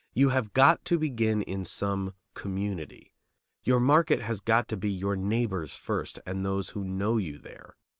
You have got to begin in some community. Your market has got to be your neighbors first and those who know you there.